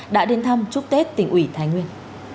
đã đến thăm chúc tết tỉnh ủy thái nguyên